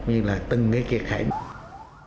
nhưng là từng cái kiệt khảnh